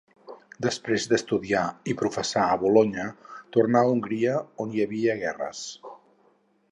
Després d'estudiar i professar a Bolonya, tornà a Hongria, on hi havia guerres.